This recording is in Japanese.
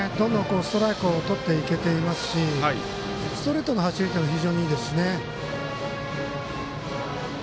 ストライクをとれてますしストレートの走りも非常にいいですしね。